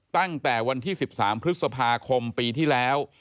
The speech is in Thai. ตั้งแต่วันที่๑๓พฤษภาคมปีที่แล้ว